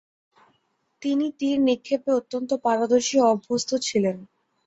তিনি তীর নিক্ষেপে অত্যন্ত পারদর্শী ও অভ্যস্থ ছিলেন।